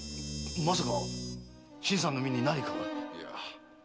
まさか新さんの身に何かが？いや。